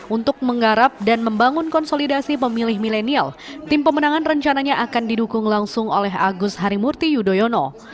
untuk menggarap dan membangun konsolidasi pemilih milenial tim pemenangan rencananya akan didukung langsung oleh agus harimurti yudhoyono